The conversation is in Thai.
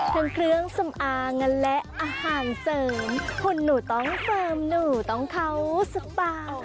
ทั้งเครื่องสำอางและอาหารเสริมคุณหนูต้องเฟิร์มหนูต้องเข้าสักเปล่า